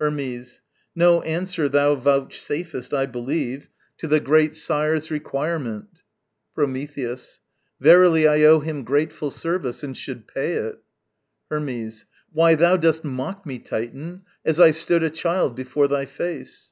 Hermes. No answer thou vouchsafest, I believe, To the great Sire's requirement. Prometheus. Verily I owe him grateful service, and should pay it. Hermes. Why, thou dost mock me, Titan, as I stood A child before thy face.